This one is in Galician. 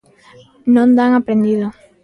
Non dan aprendido.